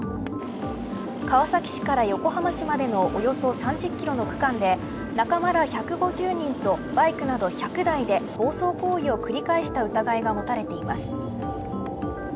川崎市から横浜市までのおよそ３０キロの区間で仲間ら１５０人とバイクなど１００台で暴走行為を繰り返した疑いが持たれています。